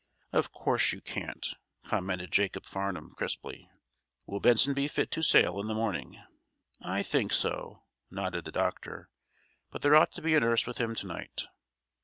"Of course you can't," commented Jacob Farnum, crisply. "Will Benson be fit to sail in the morning?" "I think so," nodded the doctor. "But there ought to be a nurse with him to night."